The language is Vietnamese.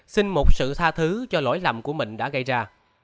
xin một sự tha thứ cho lỗi lầm của mình đã gây ra